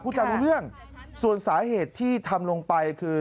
จะรู้เรื่องส่วนสาเหตุที่ทำลงไปคือ